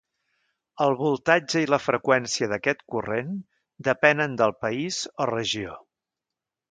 El voltatge i la freqüència d'aquest corrent depenen del país o regió.